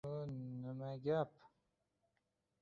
• Inson umri qisqa, shon-shuhrat va boylik o‘tkinchi.